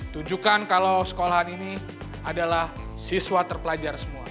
tunjukkan kalau sekolahan ini adalah siswa terpelajar semua